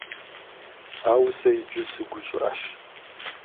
Ауэ сэ иджы сыгущӀыӀэщ.